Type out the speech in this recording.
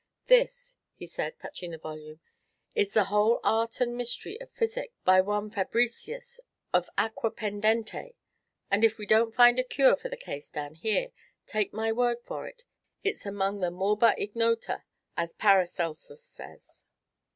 "This," said he, touching the volume, "is the 'Whole Art and Mystery of Physic,' by one Fabricius, of Aquapendente; and if we don't find a cure for the case down here, take my word for it, it's among the morba ignota, as Paracelsus says."